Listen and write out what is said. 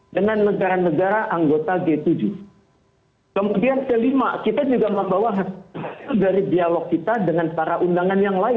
dengan negara negara anggota g tujuh